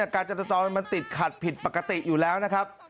การจรจรมันติดขัดผิดปกติอยู่แล้วนะครับ